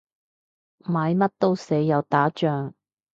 買乜都死，又打仗